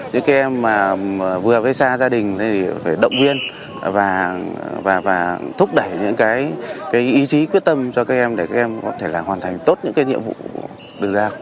những em mà vừa gây ra gia đình thì phải động viên và thúc đẩy những cái ý chí quyết tâm cho các em để các em có thể là hoàn thành tốt những cái nhiệm vụ được giao